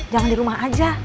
jalan di rumah aja